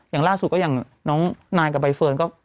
อย่างล่าสุดก็อย่างน้องนานกับใบเฟิร์นก็